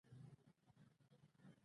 کچالو په ګڼو افغاني خواړو کې کارول کېږي.